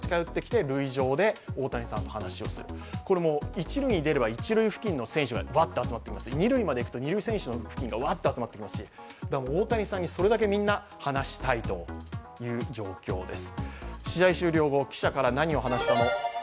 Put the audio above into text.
一塁に出れば、一塁付近の選手がワッと集まってきますし、二塁までいくと二塁選手の付近にワッと集まってきますし大谷さんにそれだけみんな話したいという状況です。